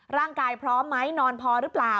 พร้อมไหมนอนพอหรือเปล่า